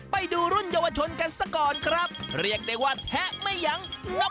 ไปดูรุ่นเยาวชนกันสักก่อนครับเรียกได้ว่าแทะไม่ยังงับ